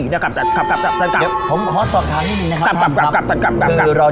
เคยได้อย่างดีนะครับก็เขาตอบคำให้ดีนะครับท่านลอเตอร์กรับเบอร์เรา